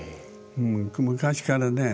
昔からねえ